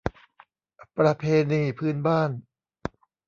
ประเพณีพื้นบ้าน